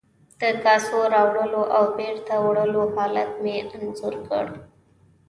د کاسو راوړلو او بیرته وړلو حالت مې انځور کړ.